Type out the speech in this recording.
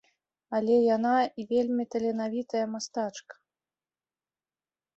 Але яна і вельмі таленавітая мастачка.